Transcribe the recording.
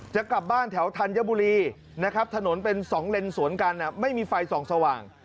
จะกลับบ้านแถวธัญบุรีนะครับถนนเป็น๒เลนสวนกันไม่มีไฟส่องสว่าง